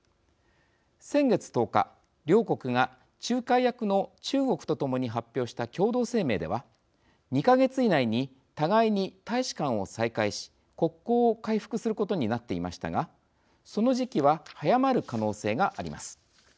先月１０日、両国が仲介役の中国と共に発表した共同声明では２か月以内に互いに大使館を再開し国交を回復することになっていましたが、その時期は早まる可能性があります。